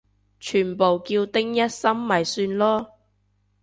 全部叫丁一心咪算囉